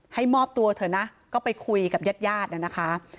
มอบตัวเถอะนะก็ไปคุยกับญาติญาติน่ะนะคะ